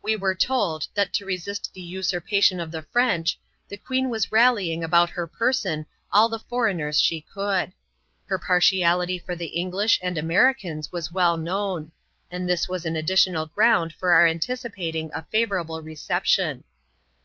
We were told, that to resist the usurpation of the French, the queen was rallying about her person all the foreigners she could^ Her partiality for the English and Americans was well known ; and this was an additional ground for our anticipating a favourable reception.